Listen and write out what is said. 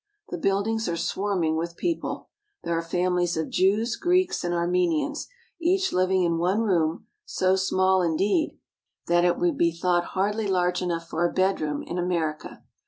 The buildings are swarming with people. There are families of Jews, Greeks, and Armenians, each living in one room, so small, indeed, that it would be thought hardly large enough for a bedroom in America.